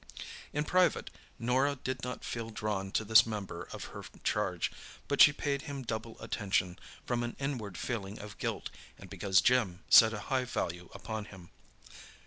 In private Norah did not feel drawn to this member of her charge, but she paid him double attention, from an inward feeling of guilt, and because Jim set a high value upon him.